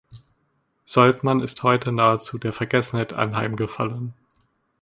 Soltmann ist heute nahezu der Vergessenheit anheimgefallen.